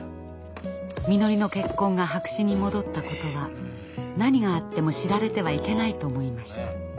みのりの結婚が白紙に戻ったことは何があっても知られてはいけないと思いました。